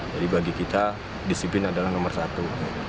jadi bagi kita disiplin adalah nomor satu